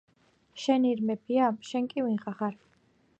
შენი ირმებია? შენ კი ვიღა ხარ?